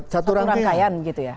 satu rangkaian gitu ya